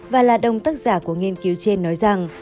và là đông tác giả của nghiên cứu trên nói rằng